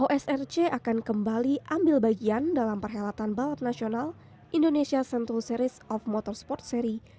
osrc akan kembali ambil bagian dalam perkhidmatan balap nasional indonesia sentul series of motorsport series